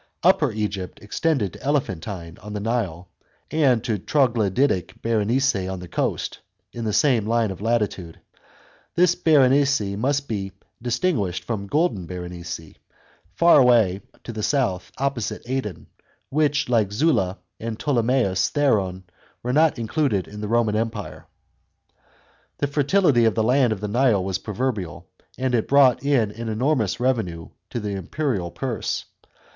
Upper Egypt extended to Elephantine on the Nile, and to Troglodytic Berenice on the coast (in the same line of latitude). This Berenice must be distinguished from Golden Berenice, far away 27 B.C. H A.D. EGYPT. 115 to the south, opposite Aden, which, like Zula and Ptolemais Tbdrdn, were not included in the Roman empire. The fertility of the land of the Nile was proverbial, and it brought in an enormous revenue to the imperial purse.